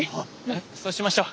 そうしましょう。